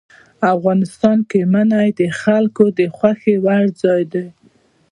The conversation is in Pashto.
افغانستان کې منی د خلکو د خوښې وړ ځای دی.